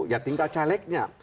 ya tinggal calegnya